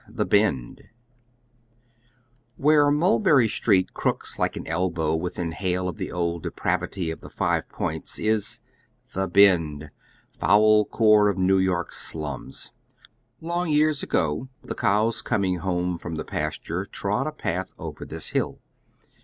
"VTTHKRE Mulberry Street crooks like an elbow within '' hail of tlie old depravity of the Five Points, is "the Bend," foul core of New York's shuns. Long years ago the cows coming home from the pasture trod a path over thia hill.